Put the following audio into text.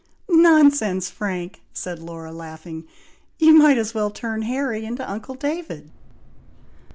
"Nonsense, Frank!" said Laura, laughing; "you might as well turn Harry into uncle David!"